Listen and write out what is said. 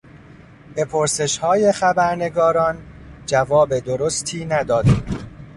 به پرسشهای خبرنگاران جواب درستی نداد.